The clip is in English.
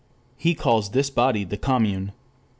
He calls this body the Commune.